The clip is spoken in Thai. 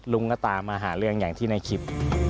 ลุงก็ตามมาหาเรื่องอย่างที่ในคลิป